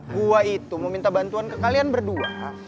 gue itu mau minta bantuan ke kalian berdua